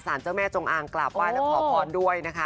สารเจ้าแม่จงอางกลับไว้แล้วขอขอนด้วยนะคะ